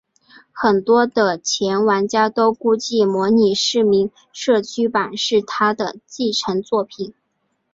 很多的前玩家都估计模拟市民社区版是它的继承作品。